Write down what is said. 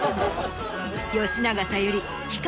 吉永小百合氷川